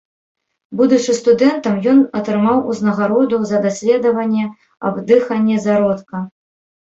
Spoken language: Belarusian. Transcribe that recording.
Будучы студэнтам, ён атрымаў узнагароду за даследаванне аб дыханні зародка.